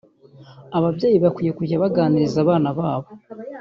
Ababyeyi bakwiye kujya baganiriza abana babo